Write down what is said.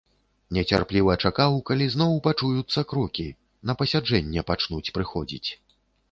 Нецярпліва чакаў, калі зноў пачуюцца крокі, на пасяджэнне пачнуць прыходзіць.